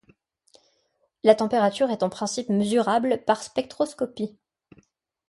La température est en principe mesurable par spectroscopie.